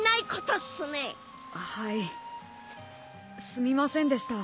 すみませんでした